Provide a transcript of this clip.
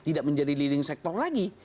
tidak menjadi leading sector lagi